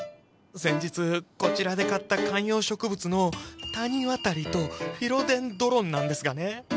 先日こちらで買った観葉植物の「タニワタリ」と「フィロデンドロン」なんですがね